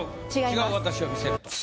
違う私を見せると。